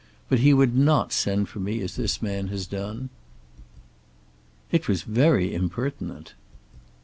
But he would not send for me as this man has done." "It was very impertinent."